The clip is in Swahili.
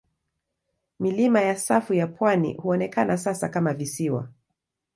Milima ya safu ya pwani huonekana sasa kama visiwa.